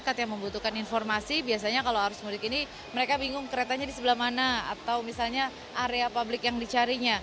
masyarakat yang membutuhkan informasi biasanya kalau arus mudik ini mereka bingung keretanya di sebelah mana atau misalnya area publik yang dicarinya